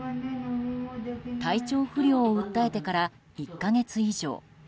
体調不良を訴えてから１か月以上。